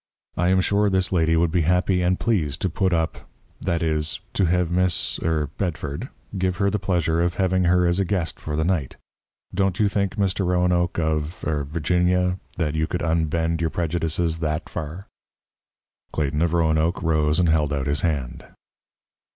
I am sure this lady would be happy and pleased to put up that is, to have Miss er Bedford give her the pleasure of having her as a guest for the night. Don't you think, Mr. Roanoke, of er Virginia, that you could unbend your prejudices that far?" Clayton of Roanoke rose and held out his hand.